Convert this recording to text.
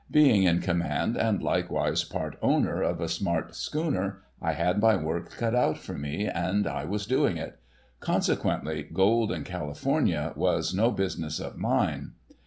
Being in command and like wise part owner of a smart schooner, I had my work cut out for me, and I was doing it. Consequently, gold in California was no business of mine.